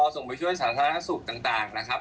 ส่งไปช่วยสาธารณสุขต่างนะครับ